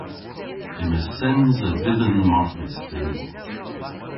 Yma sens a dhidhan marthys dhyn.